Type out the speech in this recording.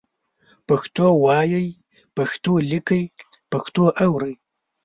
پښتو وایئ، پښتو لیکئ، پښتو اورئ